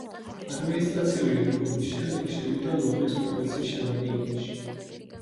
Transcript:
ადმინისტრაციული რეფორმის შემდეგ შევიდა ლორეს პროვინციის შემადგენლობაში.